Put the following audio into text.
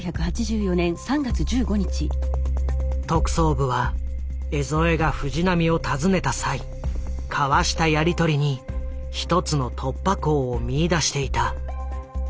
特捜部は江副が藤波を訪ねた際交わしたやり取りに一つの突破口を見いだしていた。